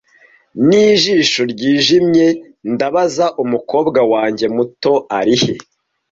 Nijisho ryijimye ndabaza, Umukobwa wanjye muto arihe?